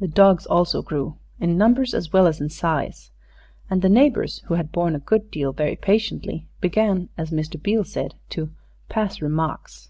The dogs also grew, in numbers as well as in size, and the neighbors, who had borne a good deal very patiently, began, as Mr. Beale said, to "pass remarks."